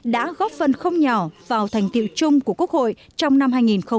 đã góp phần không nhỏ vào thành tiệu chung của quốc hội trong năm hai nghìn một mươi tám